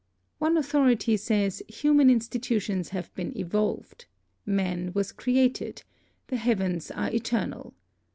One authority says human institu tions have been evolved; man was created; the heavens are eternal.